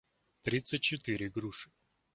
тридцать четыре груши